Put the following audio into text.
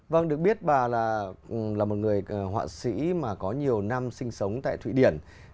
vâng được biết bà là một người họa sĩ mà có nhiều năm sinh sống tại thụy điển